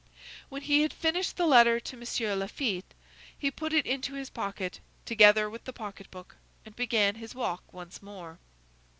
When he had finished the letter to M. Laffitte, he put it into his pocket, together with the pocket book, and began his walk once more.